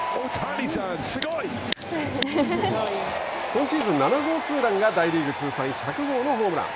今シーズン７号ツーランが大リーグ通算１００号のホームラン。